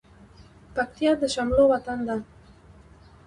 پکتيا د شملو وطن ده